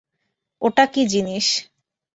ওটা কী জিনিস?